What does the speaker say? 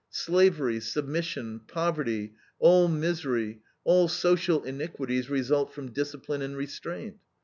Slavery, submission, poverty, all misery, all social iniquities result from discipline and restraint.